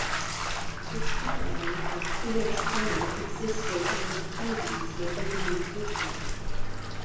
The "T" line to Coolidge Corner existed when the Kennedys were living in Brookline.